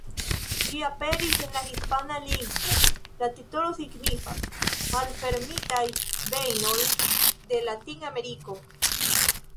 Ĝi aperis en la hispana lingvo, la titolo signifas: "Malfermitaj vejnoj de Latin-Ameriko".